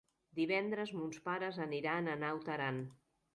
Divendres mons pares aniran a Naut Aran.